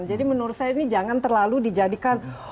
jadi menurut saya ini jangan terlalu dijadikan